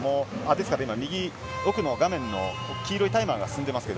今、右奥の画面の黄色いタイマーが進んでいます。